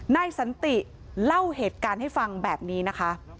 นายสันติเล่าเหตุการณ์ให้ฟังแบบนี้นะคะ